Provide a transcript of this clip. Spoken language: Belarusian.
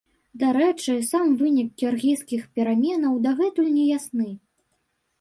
Дарэчы, сам вынік кіргізскіх пераменаў дагэтуль не ясны.